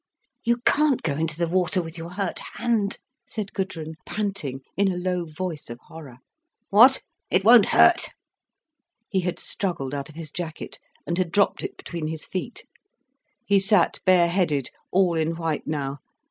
"You can't go into the water with your hurt hand," said Gudrun, panting, in a low voice of horror. "What? It won't hurt." He had struggled out of his jacket, and had dropped it between his feet. He sat bare headed, all in white now.